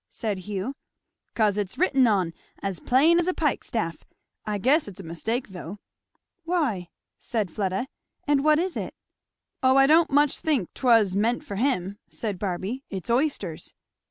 said Hugh. "'Cause it's written on, as plain as a pikestaff. I guess it's a mistake though." "Why?" said Fleda; "and what is it?" "O I don't much think 'twas meant for him," said Barby. "It's oysters."